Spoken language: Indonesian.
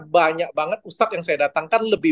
banyak banget ustadz yang saya datangkan lebih